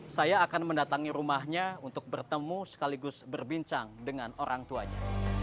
saya akan mendatangi rumahnya untuk bertemu sekaligus berbincang dengan orang tuanya